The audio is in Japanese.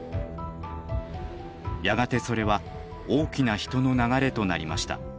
やがてそれは大きな人の流れとなりました。